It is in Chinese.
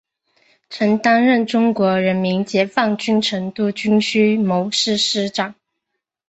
曾担任中国人民解放军成都军区某师师长。